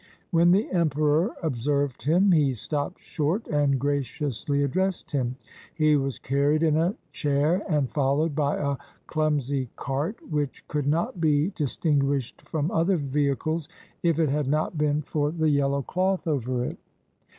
When the emperor observed him, he stopped short and graciously addressed him. He was carried in a chair and followed by a clumsy cart, which could not be dis tinguished from other vehicles if it had not been for the yeUow cloth over it.